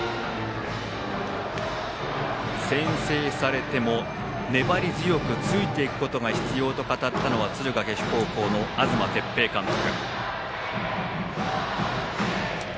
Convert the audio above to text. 先制されても粘り強くついていくことが必要と語ったのは敦賀気比高校の東哲平監督。